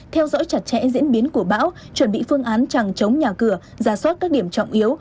theo dõi chặt chẽ diễn biến của bão chuẩn bị phương án chẳng chống nhà cửa ra soát các điểm trọng yếu